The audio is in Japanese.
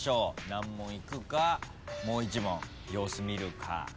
難問いくかもう１問様子見るか。